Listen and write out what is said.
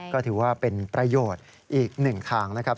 ก็ถือว่าเป็นประโยชน์อีกหนึ่งทางนะครับ